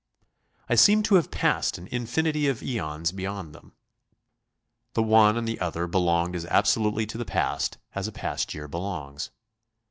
I seemed to have passed an infinity of æons beyond them. The one and the other belonged as absolutely to the past as a past year belongs.